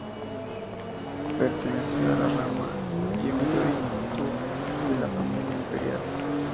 Perteneció a la rama Jimyōin-tō de la Familia Imperial.